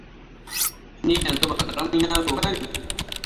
Ni yanzu ba karamin yaro bane.